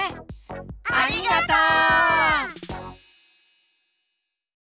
ありがとう！